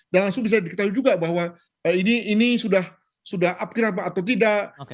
dan langsung bisa diketahui juga bahwa ini sudah up kira apa atau tidak